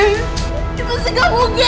ini pasti gak mungkin